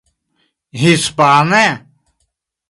Hispane?